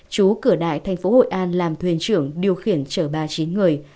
cửa đại thành phố hội an làm thuyền trưởng điều khiển chở ba chín người